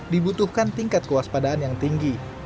dibutuhkan tingkat kewaspadaan yang tinggi